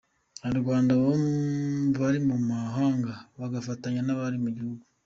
Abanyarwanda bari mu mahanga bagafatanya n’abari mu gihugu.